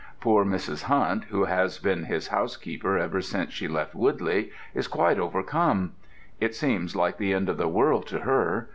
Poor Mrs. Hunt, who has been his housekeeper ever since she left Woodley, is quite overcome: it seems like the end of the world to her.